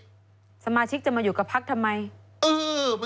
สมาชิกจะมาอยู่กับพักทำไม